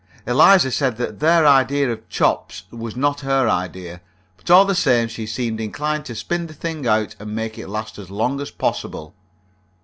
Eliza said that their idea of chops was not her idea; but all the same she seemed inclined to spin the thing out and make it last as long as possible.